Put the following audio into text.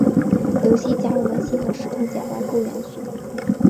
游戏加入了新的石头剪刀布元素。